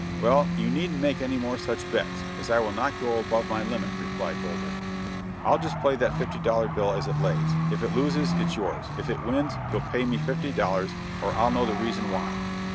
"Well you needn't make any more such bets, as I will not go above my limit," replied Boulder. "I'll just play that fifty dollar bill as it lays. If it loses, it's yours; if it wins, you'll pay me fifty dollars, or I'll know the reason why."